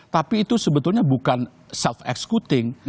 tapi itu sebetulnya bukan self excuting